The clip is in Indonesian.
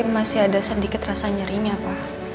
masih ada sedikit rasa nyerinya apa